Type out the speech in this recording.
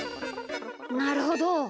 なるほど。